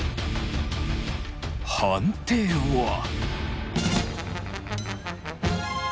判定は。